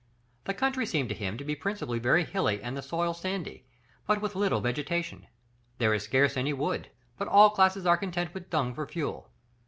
The country seemed to him to be principally very hilly and the soil sandy, with but little vegetation. There is scarce any wood; but all classes are content with dung for fuel.